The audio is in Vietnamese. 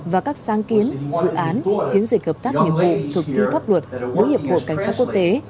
và các sáng kiến dự án chiến dịch hợp tác nghiệp vụ thực thi pháp luật với hiệp hội cảnh sát quốc tế